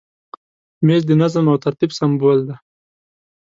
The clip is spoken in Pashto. مېز د نظم او ترتیب سمبول دی.